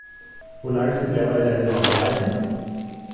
Wo lagerst du derweil deine Sommerreifen?